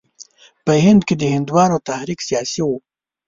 په هند کې د هندوانو تحریک سیاسي وو.